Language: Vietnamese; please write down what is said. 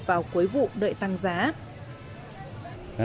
vào cuối vụ đợi tăng giá